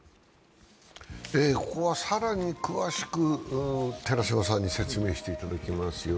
ここは更に詳しく寺島さんに説明していただきます。